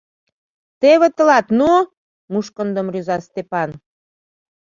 — Теве тылат «ну»! — мушкындым рӱза Стапан.